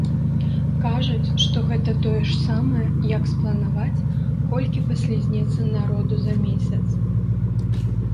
Кажуць, што гэта тое ж самае, як спланаваць, колькі паслізнецца народу за месяц!